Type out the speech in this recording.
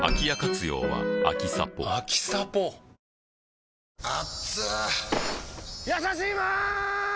今夜やさしいマーン！！